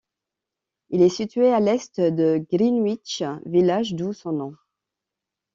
Il est situé à l'est de Greenwich Village, d'où son nom.